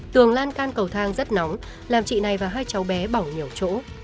tường lan can cầu thang rất nóng làm chị này và hai cháu bé bỏng nhiều chỗ